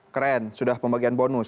keren sudah pembagian bonus